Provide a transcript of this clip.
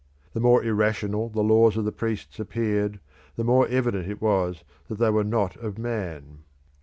The more irrational the laws of the priests appeared, the more evident it was that they were not of man.